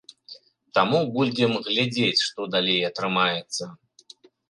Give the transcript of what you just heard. Таму будзем глядзець, што далей атрымаецца.